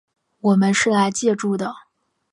我们是来借住的